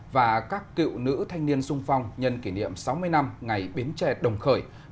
và các cựu nữ thanh niên sung phong nhân kỷ niệm sáu mươi năm ngày bến tre đồng khởi